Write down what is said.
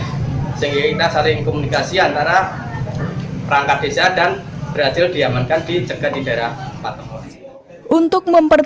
sehingga kita saling komunikasi antara perangkat desa dan berhasil diamankan dicegahan di daerah patung